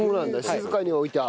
静かに置いた。